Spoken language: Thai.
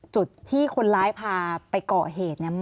จุดที่คนร้ายพาไปเกาะเหตุเนี่ย